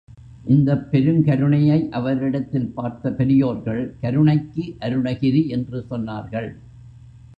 இந்தப் பெருங்கருணையை அவரிடத்தில் பார்த்த பெரியோர்கள், கருணைக்கு அருணகிரி என்று சொன்னார்கள்.